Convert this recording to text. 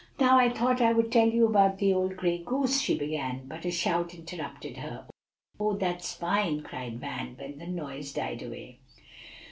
"Now, I thought I would tell you about the old gray goose," she began, but a shout interrupted her. "Oh, that's fine!" cried Van, when the noise died away.